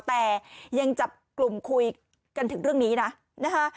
แต่ยังจับกลุ่มคุยกันถึงเรื่องนี้นะนะคะ